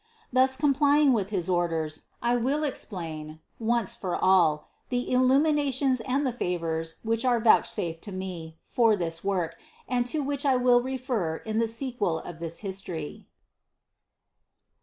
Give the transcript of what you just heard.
Thus comply ing with his orders, I will explain, once for all, the illu minations and the favors which are vouchsafed to me for this work and to which I will refer in the sequel of this history.